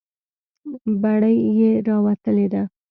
بړۍ یې راوتلې ده.